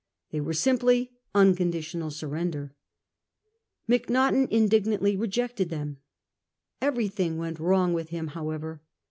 They were simply unconditional surrender. Macnaghten indignantly rejected them. Everything went wrong with him, however.